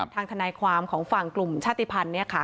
ทางทนายความของฝั่งกลุ่มชาติพันธุ์